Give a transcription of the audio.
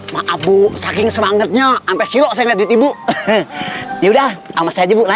maaf bu saking semangatnya sampai silo saya lihat ibu ya udah sama saya jemput